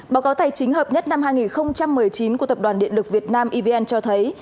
báo cáo tài chính hợp nhất năm hai nghìn một mươi chín của tập đoàn điện lực việt nam evn cho thấy